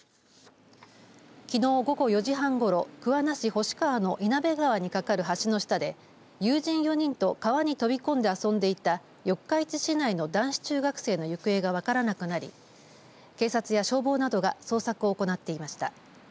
きのう午後４時半ごろ桑名市星川の員弁川に架かる橋の下で友人４人と川に飛び込んで遊んでいた四日市市内の男子中学生の行方が分からなくなり警察や消防などが捜索を行っていました。